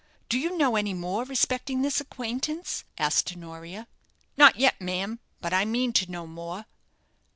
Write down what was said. "Do you know any more respecting this acquaintance?" asked Honoria. "Not yet, ma'am; but I mean to know more."